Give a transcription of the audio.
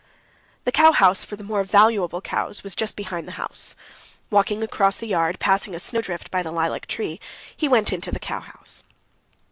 The cowhouse for the more valuable cows was just behind the house. Walking across the yard, passing a snowdrift by the lilac tree, he went into the cowhouse.